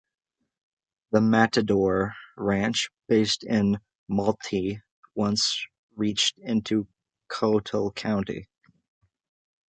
The Matador Ranch, based in Motley once reached into Cottle County.